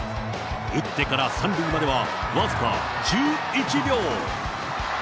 打ってから３塁までは僅か１１秒。